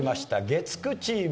月９チーム。